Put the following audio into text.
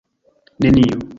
neniu